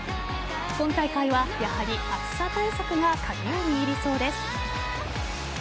今大会は、やはり暑さ対策が鍵を握りそうです。